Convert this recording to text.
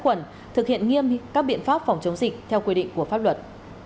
khuẩn thực hiện nghiêm các biện pháp phòng chống dịch theo quy định của pháp luật